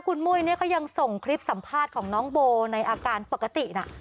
คุณมุ้ยเนี่ยก็ยังส่งคลิปสัมภาษณ์ของน้องโบในอาการปกตินะ